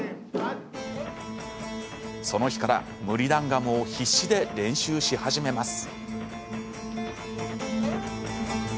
その日から、ムリダンガムを必死で練習し始めます。